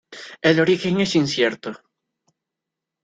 El origen es incierto.